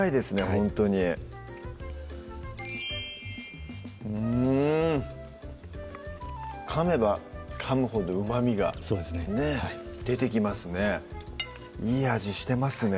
ほんとにうんかめばかむほどうまみがそうですね出てきますねいい味してますね